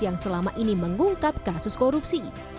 yang selama ini mengungkap kasus korupsi